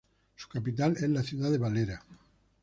Su capital es la ciudad de Valera.